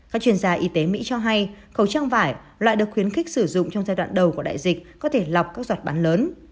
các chuyên gia y tế mỹ cho hay khẩu trang vải loại được khuyến khích sử dụng trong giai đoạn đầu của đại dịch có thể lọc các giọt bán lớn